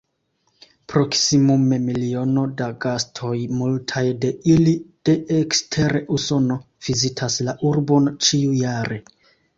Proksimume miliono da gastoj, multaj de ili de ekster Usono, vizitas la urbon ĉiujare.